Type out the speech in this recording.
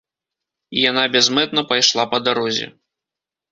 І яна бязмэтна пайшла па дарозе.